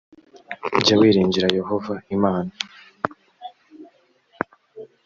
jya wiringira yehova imana